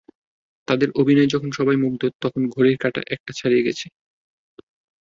তাঁদের অভিনয়ে যখন সবাই মুগ্ধ, তখন ঘড়ির কাঁটা একটা ছাড়িয়ে গেছে।